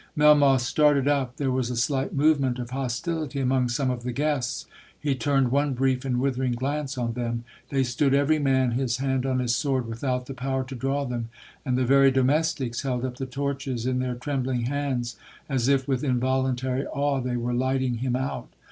Melmoth started up—there was a slight movement of hostility among some of the guests—he turned one brief and withering glance on them—they stood every man his hand on his sword, without the power to draw them, and the very domestics held up the torches in their trembling hands, as if with involuntary awe they were lighting him out.